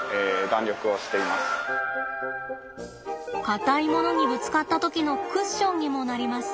硬いものにぶつかった時のクッションにもなります。